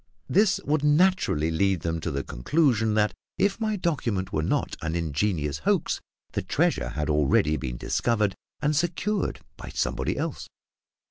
This would naturally lead them to the conclusion that, if my document were not an ingenious hoax, the treasure had already been discovered and secured by somebody else.